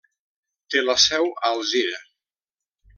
Té la seu a Alzira.